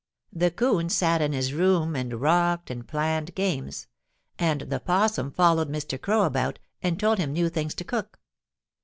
The 'Coon sat in his room and rocked and planned games, and the 'Possum followed Mr. Crow about and told him new things to cook.